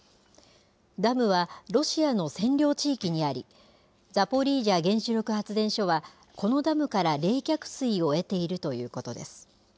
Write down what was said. ダムはロシアの占領地域にあり、ザポリージャ原子力発電所は、このダムから冷却水を得ているということです。